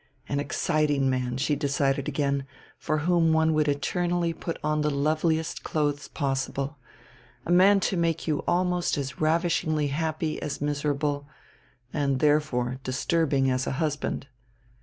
An exciting man, she decided again, for whom one would eternally put on the loveliest clothes possible; a man to make you almost as ravishingly happy as miserable, and, therefore, disturbing as a husband.